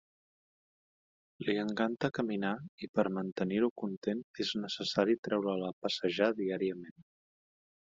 Li encanta caminar i per mantenir-ho content és necessari treure'l a passejar diàriament.